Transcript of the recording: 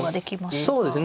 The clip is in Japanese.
そうですね。